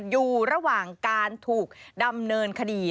อยู่ระหว่างการถูกดำเนินคดี